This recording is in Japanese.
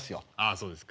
そうですか。